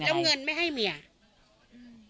แล้วเงินไม่ให้เมียอืม